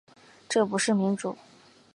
这不是民主